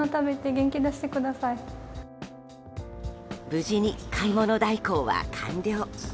無事に買い物代行は完了。